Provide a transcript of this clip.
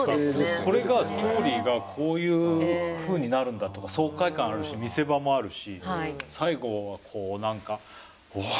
これがストーリーがこういうふうになるんだとか爽快感あるし見せ場もあるし最後はこう何かわ！